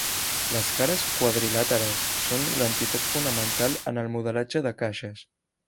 Les cares quadrilàteres són l'entitat fonamental en el modelatge de caixes.